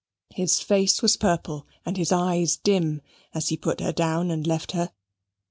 His face was purple and his eyes dim, as he put her down and left her.